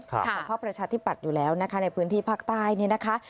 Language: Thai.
ของพระพระชาติที่ปัดอยู่แล้วนะคะในพื้นที่ภาคใต้นี่นะคะ